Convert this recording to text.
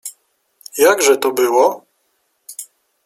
Jakże to było?…